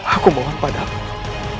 aku mohon padamu